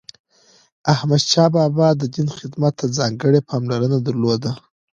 احمدشاه بابا د دین خدمت ته ځانګړی پاملرنه درلوده.